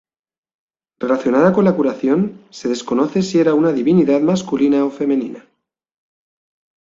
Relacionada con la curación, se desconoce si era una divinidad masculina o femenina.